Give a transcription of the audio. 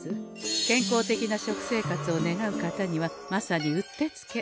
健康的な食生活を願う方にはまさにうってつけ。